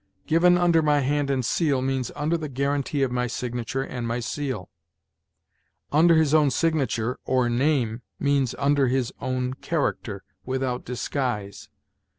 "Given under my hand and seal" means "under the guarantee of my signature and my seal." "Under his own signature" or "name" means "under his own character, without disguise."